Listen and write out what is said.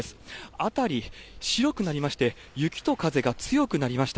辺り白くなりまして、雪と風が強くなりました。